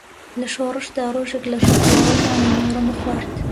لە شۆڕشدا ڕۆژێک لە شەقڵاوە نانی نیوەڕۆم خوارد